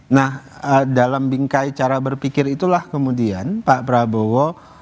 nah dalam bingkai cara berpikir itulah kemudian pak prabowo